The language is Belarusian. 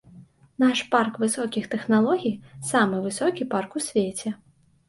Наш парк высокіх тэхналогій самы высокі парк у свеце.